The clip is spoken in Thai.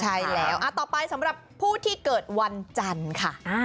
ใช่แล้วต่อไปสำหรับผู้ที่เกิดวันจันทร์ค่ะ